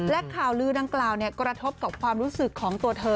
และข่าวลือดังกล่าวกระทบกับความรู้สึกของตัวเธอ